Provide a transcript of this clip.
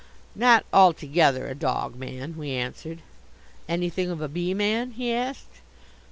"Not altogether a dog man," we answered. "Anything of a bee man?" he asked.